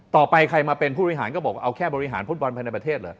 ใครมาเป็นผู้บริหารก็บอกว่าเอาแค่บริหารฟุตบอลภายในประเทศเหรอ